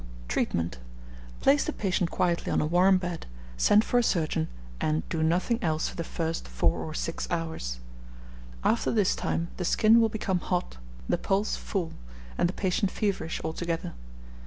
Treatment. Place the patient quietly on a warm bed, send for a surgeon, and do nothing else for the first four or six hours. After this time the skin will become hot, the pulse full, and the patient feverish altogether.